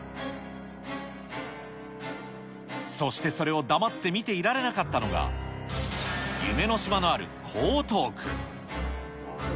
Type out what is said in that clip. そしてそれを黙って見ていられなかったのが、夢の島のある江東区。